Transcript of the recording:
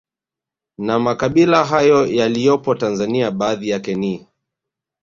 Na makabila hayo yaliyopo Tanzania baadhi yake ni